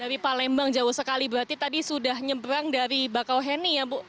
dari palembang jauh sekali berarti tadi sudah nyebrang dari bakau heni ya ibu